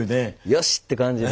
「よし！」って感じ。